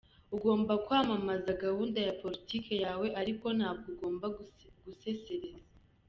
Ugomba kwamamaza gahunda ya politiki yawe ariko ntabwo ugomba gusesereza.